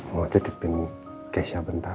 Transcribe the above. mau titipin keisha bentar